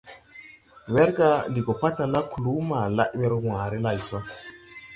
Werga ndi go patala kluu ma lad wer wããre lay so.